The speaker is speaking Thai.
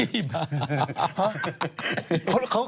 พี่บ้า